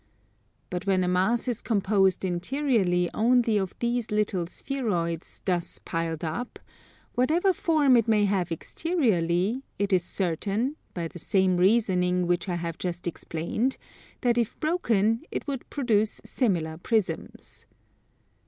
But when a mass is composed interiorly only of these little spheroids thus piled up, whatever form it may have exteriorly, it is certain, by the same reasoning which I have just explained, that if broken it would produce similar prisms.